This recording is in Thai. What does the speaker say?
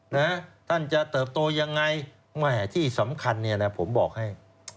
นะท่านจะเติบโตยังไงแหมที่สำคัญเนี่ยนะผมบอกให้